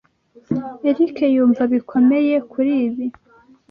Eric yumva bikomeye kuri ibi.